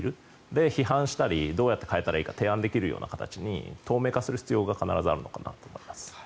で、批判したりどうやって変えたらいいか批判できるような形に透明化する必要が必ずあるのかなと思います。